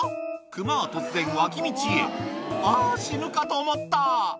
クマは突然脇道へ「あぁ死ぬかと思った」